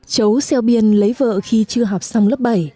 chấu xeo biên lấy vợ khi chưa học xong lớp bảy